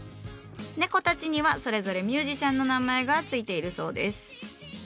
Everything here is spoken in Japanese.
猫たちにはそれぞれミュージシャンの名前が付いているそうです。